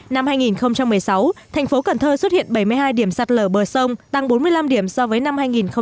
năm hai nghìn một mươi sáu thành phố cần thơ xuất hiện bảy mươi hai điểm sạt lở bờ sông tăng bốn mươi năm điểm so với năm hai nghìn một mươi bảy